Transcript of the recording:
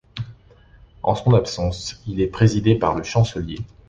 En son absence, il est présidé par le chancelier.